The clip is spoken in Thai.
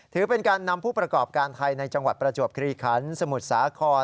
ถือเป็นการนำผู้ประกอบการไทยในจังหวัดประจวบคลีคันสมุทรสาคร